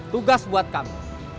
tugas buat kamu